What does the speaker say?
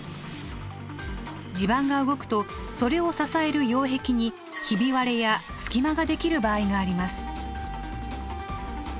地盤が動くとそれを支える擁壁にひび割れや隙間ができる場合があります。